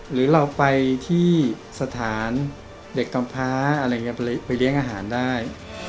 หรือเราไปที่สถานเด็กกำพ้าอะไรอย่างนี้ไปเลี้ยงอาหารได้